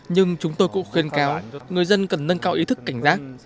nhưng chúng tôi cũng khuyên cáo người dân cần nâng cao ý thức cảnh giác